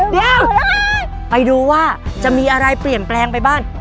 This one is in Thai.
เดี๋ยวไปดูว่าจะมีอะไรเปลี่ยนแปลงไปบ้าง